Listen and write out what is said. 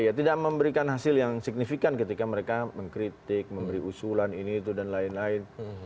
ya tidak memberikan hasil yang signifikan ketika mereka mengkritik memberi usulan ini itu dan lain lain